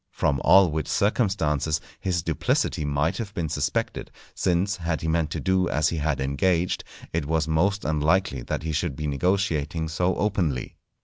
From all which circumstances his duplicity might have been suspected, since, had he meant to do as he had engaged, it was most unlikely that he should be negotiating so openly.